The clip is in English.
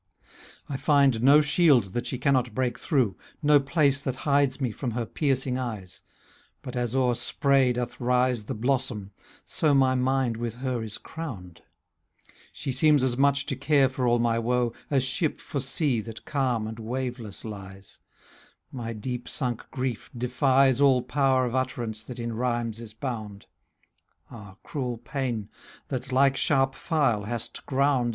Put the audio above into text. I find no shield that she cannot break through, No place that hides me from her piercing eyes ;'* But as o'er spray doth rise The blossom, so my mind with her is crowned ; She seems as much to care for all my woe, As ship for sea that calm and waveless lies ; My deep sunk grief defies ^ All power of utterance that in rhymes is bound. Ah, cruel pain, that, like sharp file, hast ground.